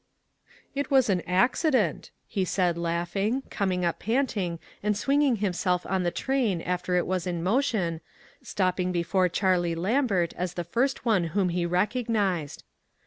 "It was an accident," he said, laughing, coming np panting, and swinging himself on the train after it was in motion, stop ping before Charlie Lambert as the first one whom he recognized.